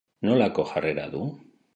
Nolako jarrera du?